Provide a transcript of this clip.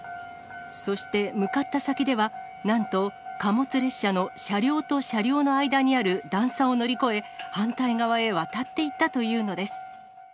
そして、向かった先では、なんと貨物列車の車両と車両の間にある段差を乗り越え、反対側へ渡っていったというのです。